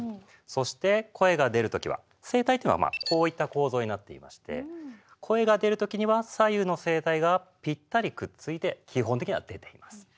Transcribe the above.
そして声が出るときは声帯というのはこういった構造になっていまして声が出るときには左右の声帯がぴったりくっついて基本的には出ています。